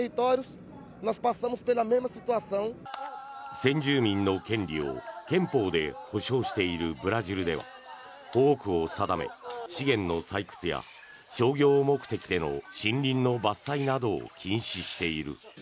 先住民の権利を憲法で保障しているブラジルでは保護区を定め、資源の採掘や商業目的での森林の伐採などを禁止している。